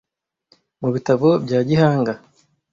Mu bitabo bya gihanga